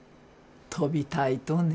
飛びたいとね。